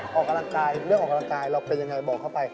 บอกเข้าไปเรื่องออกกำลังกายเราเป็นยังไงบอกเข้าไป